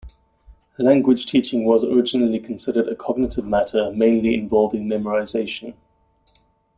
Language teaching was originally considered a cognitive matter, mainly involving memorization.